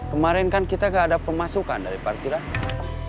kemarin kan kita gak ada pemasukan dari parkiran